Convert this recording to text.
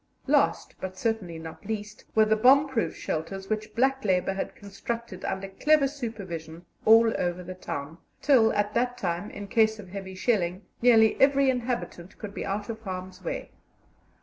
Last, but certainly not least, were the bomb proof shelters, which black labour had constructed under clever supervision all over the town, till at that time, in case of heavy shelling, nearly every inhabitant could be out of harm's way.